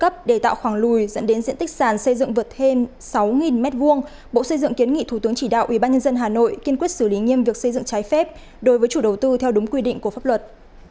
bộ xây dựng kiến nghị thủ tướng chỉ đạo ubnd hà nội kiên quyết xử lý nghiêm việc xây dựng trái phép đối với chủ đầu tư theo đúng quy định của pháp luật